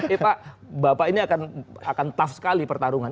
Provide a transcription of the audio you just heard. eh pak bapak ini akan tough sekali pertarungan